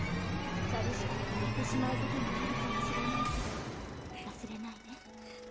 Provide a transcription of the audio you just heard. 寂しくて泣いてしまうこともあるかもしれないけど忘れないで。